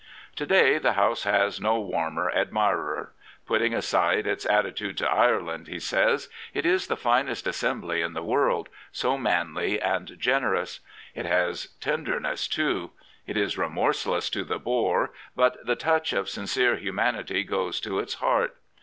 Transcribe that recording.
To day the House has no warmer admirer. " Put ting aside its attitude to Ireland," he says, " it is the finest assembly in the world — so manly and generous. It has tenderness, too. It is remorseless to the bore, but the touch of sincere humanity goes to its heart.